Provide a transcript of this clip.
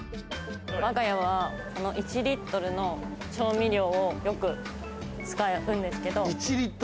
わが家はこの１リットルの調味料をよく使うんですけど。